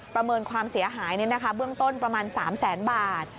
ประเมินความเสียหายเบื้องต้นประมาณ๓แสนบาท